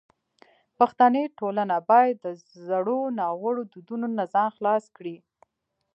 پښتني ټولنه باید د زړو ناوړو دودونو نه ځان خلاص کړي.